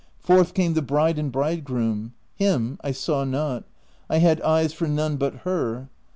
Forth came the bride and bridegroom. Him I saw not ; I had eyes for none but her.